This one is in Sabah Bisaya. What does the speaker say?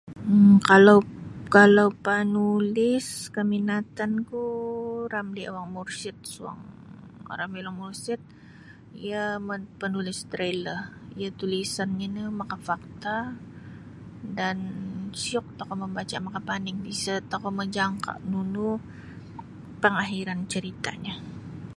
um Kalau kalau panulis kaminatanku Ramli Awang Murshid suang Ramli Awang Murshid iyo ma panulis thriller iyo tulisannyo no makafakta dan syok tokou mambaca makapaning isa tokou majangka nunu pengakhiran caritanyo.